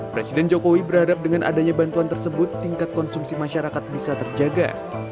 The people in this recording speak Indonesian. presiden jokowi berharap dengan adanya bantuan tersebut tingkat konsumsi masyarakat bisa terjaga